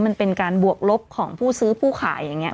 มันเป็นการบวกลบของผู้ซื้อผู้ขายอย่างนี้